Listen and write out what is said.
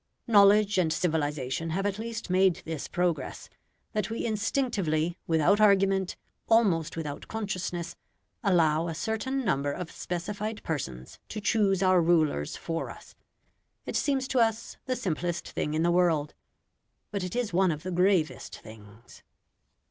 Knowledge and civilisation have at least made this progress, that we instinctively, without argument, almost without consciousness, allow a certain number of specified persons to choose our rulers for us. It seems to us the simplest thing in the world. But it is one of the gravest things.